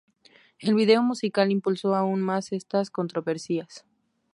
El vídeo musical impulsó aún más estas controversias.